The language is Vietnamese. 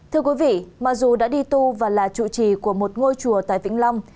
thưa quý vị mặc dù đã đi tu và là chủ trì của một ngôi chùa tại vĩnh long